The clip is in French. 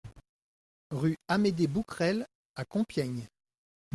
Rue Amédée Bouquerel à Compiègne